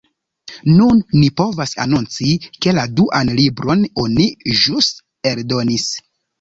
Nun ni povas anonci, ke la duan libron oni ĵus eldonis.